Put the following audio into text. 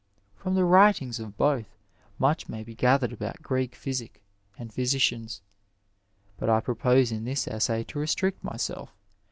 From the writings of both much may be gathered about Greek physic and physicians ; but I propose in this essay to restrict myself AS.